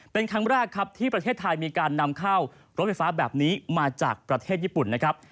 เป็นครั้งแรกครับที่ประเทศไทยมีการนำเข้ารถไฟฟ้าแบบนี้มาจากประเทศญี่ปุ่นนะครับ